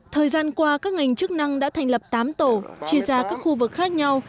thời gian qua các ngành chức năng đã thành lập tám tổ chia ra các khu vực khác nhau